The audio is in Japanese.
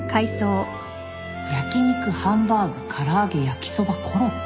「焼肉ハンバーグ唐揚げ焼きそばコロッケ」